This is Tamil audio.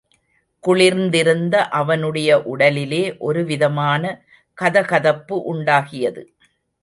குளிர்ந்திருந்த அவனுடைய உடலிலே ஒருவிதமான கதகதப்பு உண்டாகியது.